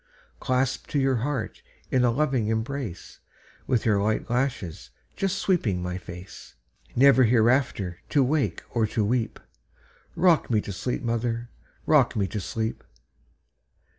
Clasped to your heart in a loving embrace, With your light lashes just sweeping my face, Never hereafter to wake or to weep;—Rock me to sleep, mother,—rock me to sleep!